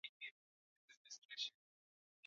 Vyombo vifaa vinavyahitajika katika kupika viazi lishe